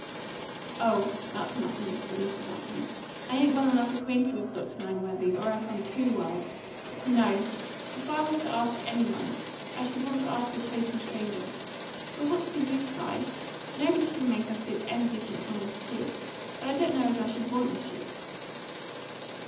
"Oh, that's nothing," said Mrs. Lapham. "I ain't well enough acquainted with Dr. Langworthy, or else I'm TOO well. No; if I was to ask any one, I should want to ask a total stranger. But what's the use, Si? Nobody could make us see it any different from what it is, and I don't know as I should want they should."